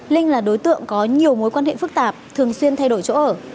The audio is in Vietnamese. linh là đối tượng có nhiều mối quan hệ phức tạp thường xuyên thay đổi chỗ ở